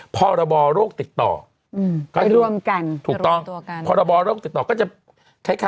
พรบรโรคติตต่อ